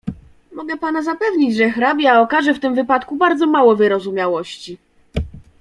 "Mogę pana zapewnić, że hrabia okaże w tym wypadku bardzo mało wyrozumiałości."